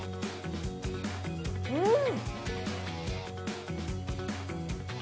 うん。